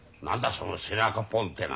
その背中ポンってのは。